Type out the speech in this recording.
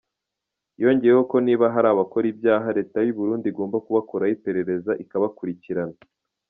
Yongeyeho ko niba hari abakora ibyaha, leta y’u Burundi igomba kubakoraho iperereza ikabakurikirana.